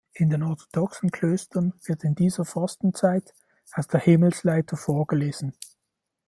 In den orthodoxen Klöstern wird in dieser Fastenzeit aus der "Himmelsleiter" vorgelesen.